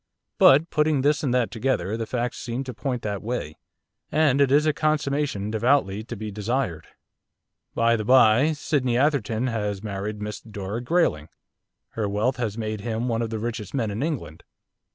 But, putting this and that together, the facts seem to point that way, and it is a consummation devoutly to be desired. By the bye, Sydney Atherton has married Miss Dora Grayling. Her wealth has made him one of the richest men in England.